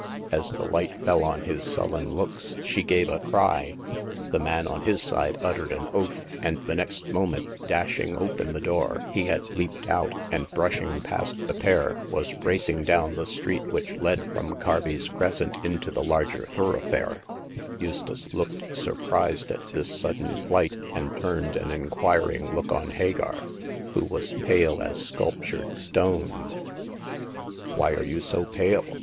As the light fell on his sullen looks, she gave a cry ; the man on his side uttered an oath, and the next moment, dashing open the door, he had leaped out, and brushing past the pair, was racing down the street which led from Carby's Crescent into the larger thorougjhfarQx 284 Hagar of the Pawn Shop. Eustace looked surprised at this sudden flight, and turned an inquiring look on Hagar, who was pale as sculptured stone. '* Why are you so pale?"